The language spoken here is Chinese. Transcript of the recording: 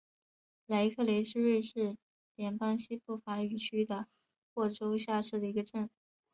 莱克雷是瑞士联邦西部法语区的沃州下设的一个镇。